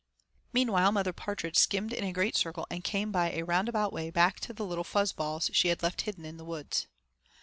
Meanwhile Mother Partridge skimmed in a great circle and came by a roundabout way back to the little fuzz balls she had left hidden in the woods.